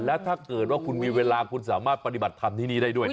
แล้วถ้าเกิดว่าคุณมีเวลาคุณสามารถปฏิบัติธรรมที่นี่ได้ด้วยนะ